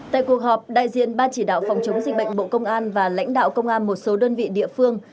tại cuộc họp đại diện ban chỉ đạo phòng chống dịch bệnh bộ công an và lãnh đạo công an một số đơn vị địa phương